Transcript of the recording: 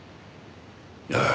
ああ。